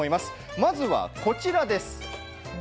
まずはこちらです。